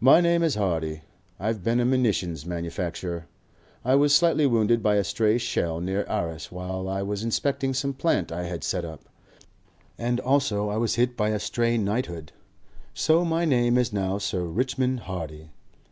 "My name is Hardy. I've been a munition manufacturer. I was slightly wounded by a stray shell near Arras while I was inspecting some plant I had set up, and also I was hit by a stray knighthood. So my name is now Sir Richmond Hardy.